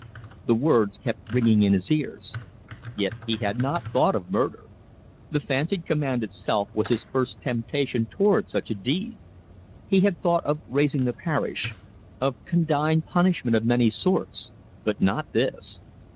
The words kept ringing in his ears. Yet he had not thought of murder. The fancied command itself was his first temptation towards such a deed. He had thought of raising the parish, of condign punishment of many sorts, but not this.